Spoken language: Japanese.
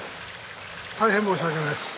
大変申し訳ないっす！